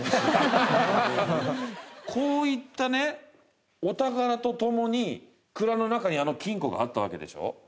こういったお宝とともに蔵の中にあの金庫があったわけでしょう？